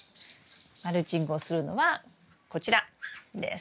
マルチングをするのはこちらです。